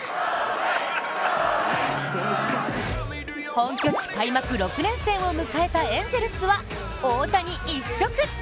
本拠地開幕６連戦を迎えたエンゼルスは、大谷一色。